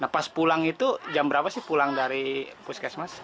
nah pas pulang itu jam berapa sih pulang dari puskesmas